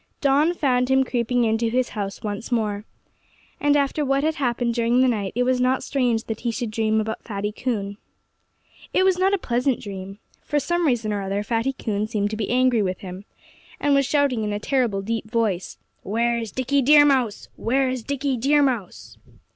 Dawn found him creeping into his house once more. And after what had happened during the night it was not strange that he should dream about Fatty Coon. It was not a pleasant dream. For some reason or other Fatty Coon seemed to be angry with him, and was shouting in a terrible, deep voice, "Where's Dickie Deer Mouse? Where's Dickie Deer Mouse?"